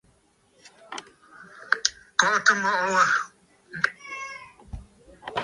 Kɔʼɔtə mɔʼɔ wâ.